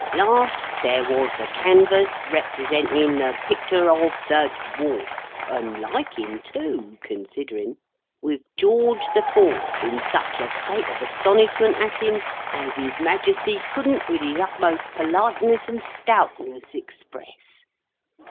Last, there was the canvass, representin the picter of the Dwarf, and like him too (considerin), with George the Fourth in such a state of astonishment at him as His Majesty couldn't with his utmost politeness and stoutness express.